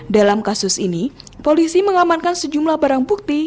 dalam kasus ini polisi mengamankan sejumlah barang bukti